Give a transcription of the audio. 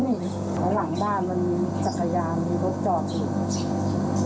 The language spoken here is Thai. หลังบ้านมันมีจักรยานมีรถจอดอยู่